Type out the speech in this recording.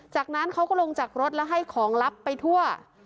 จากนั้นเขาก็ลงจากรถแล้วให้ของลับไปทั่ว